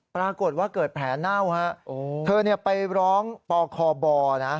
ปรากฏว่าเกิดแผลเน่าฮะเธอไปร้องปคบนะ